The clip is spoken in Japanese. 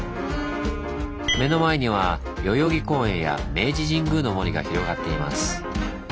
目の前には代々木公園や明治神宮の森が広がっています。